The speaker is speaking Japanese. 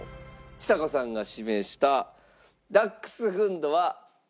ちさ子さんが指名したダックスフンドは１位？